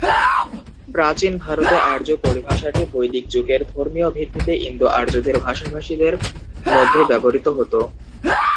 প্রাচীন ভারতে আর্য পরিভাষাটি বৈদিক যুগের ধর্মীয় ভিত্তিতে ইন্দো-আর্যদের ভাষাভাষীদের মধ্যে ব্যবহৃত হতো।